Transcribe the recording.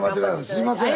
すみません